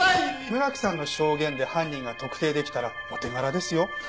村木さんの証言で犯人が特定できたらお手柄ですよ。